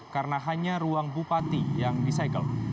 karena hanya ruang bupati yang disegel